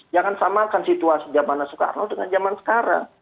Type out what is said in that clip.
jangan samakan situasi jaman soekarno dengan jaman sekarang